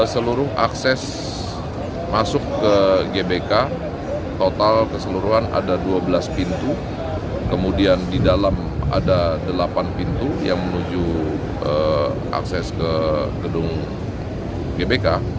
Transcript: seluruh akses masuk ke gbk total keseluruhan ada dua belas pintu kemudian di dalam ada delapan pintu yang menuju akses ke gedung gbk